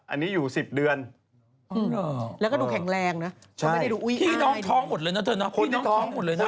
อันนี้อยู่๑๐เดือนแล้วก็ดูแข็งแรงนะเขาไม่ได้ดูอุ๊ยอ้ายพี่น้องท้องหมดเลยนะเธอน่ะ